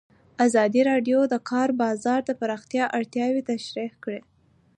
ازادي راډیو د د کار بازار د پراختیا اړتیاوې تشریح کړي.